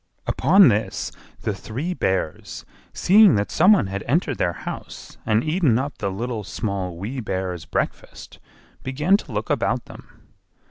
Upon this the three Bears, seeing that some one had entered their house and eaten up the Little, Small, Wee Bear's breakfast, began to look about them.